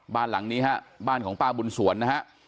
บ้านหลังนี้ครับบ้านของป้าบุญสวนนะครับ